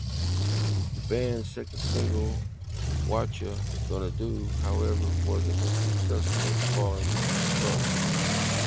The band's second single, "Whatcha Gonna Do", however wasn't as successful, failing to chart.